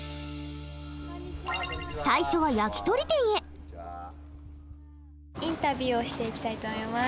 早速最初はインタビューをしていきたいと思います。